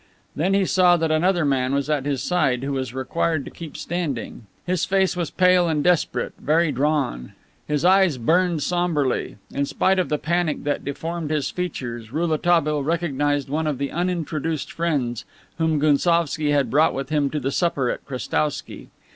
Then he saw that another man was at his side, who was required to keep standing. His face was pale and desperate, very drawn. His eyes burned somberly, in spite of the panic that deformed his features Rouletabille recognized one of the unintroduced friends whom Gounsovski had brought with him to the supper at Krestowsky.